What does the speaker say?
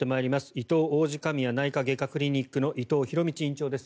いとう王子神谷内科外科クリニックの伊藤博道院長です。